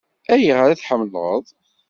Ayɣer i t-tḥemmleḍ?